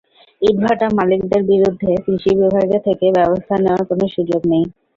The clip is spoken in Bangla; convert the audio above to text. ইটভাটা মালিকদের বিরুদ্ধে কৃষি বিভাগ থেকে ব্যবস্থা নেওয়ার কোনো সুযোগ নেই।